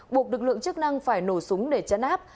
buộc lực lượng chức năng phải nổ súng để chấn áp